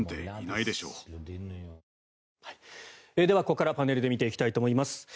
では、ここからパネルで見ていきたいと思います。